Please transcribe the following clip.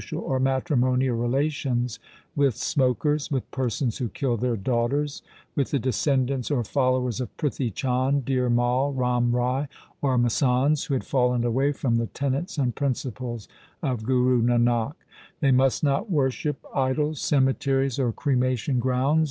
96 THE SIKH RELIGION or matrimonial relations with smokers, with persons who killed their daughters, with the descendants or followers of Prithi Chand, Dhir Mai, Ram Rai, or masands, who had fallen away from the tenets and principles of Guru Nanak. They must not worship idols, cemeteries, or cremation grounds.